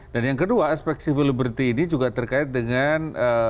dan yang kedua aspek sipil libertis ini juga terkait dengan